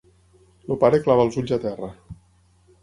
El pare clava els ulls a terra.